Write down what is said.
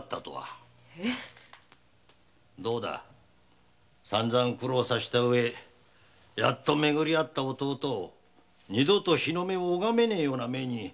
どうださんざん苦労させたうえやっとめぐりあった弟を二度と日の目を拝めねえような目に遭わせたくはあるめえ。